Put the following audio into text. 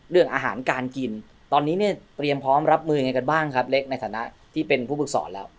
เรื่องอาหารการกินตอนนี้เนี่ยเตรียมพร้อมรับมือยังไงกันบ้างครับเล็กในฐานะที่เป็นผู้ฝึกสอนแล้ว